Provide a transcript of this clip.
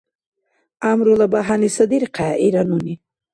— ГӀямрула бяхӀяни садирхъехӀе, — ира нуни.